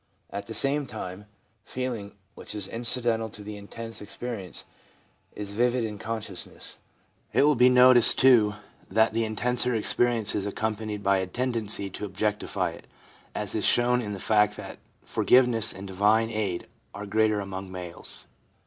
At the same time, feeling, which is inci dental to the intense experience, is vivid in conscious ness. It will be noticed, too, that the intenser experience is accompanied by a tendency to objectify it, as is shown in the fact that forgiveness and divine aid are greater among males.